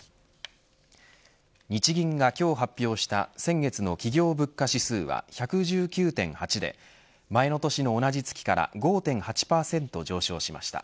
日銀が今日発表した先月の企業物価指数は１１９．８で前の年の同じ月から５．８％上昇しました。